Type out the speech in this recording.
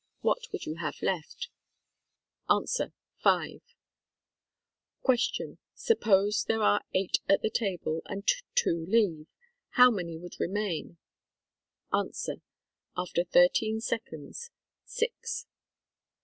What would you have left ? A. Five. Q. "Suppose there are eight at the table and two leave. How many would remain ? A. (after thirteen seconds). Six.